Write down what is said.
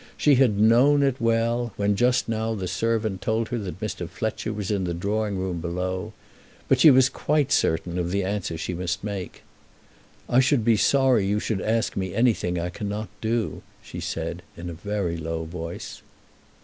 She had known it well, when just now the servant told her that Mr. Fletcher was in the drawing room below. But she was quite certain of the answer she must make. "I should be sorry you should ask me anything I cannot do," she said in a very low voice.